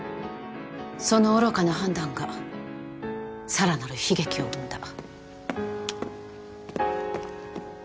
その愚かな判断がさらなる悲劇を生んだ。